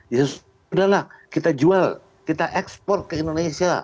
ya sudah lah kita jual kita ekspor ke indonesia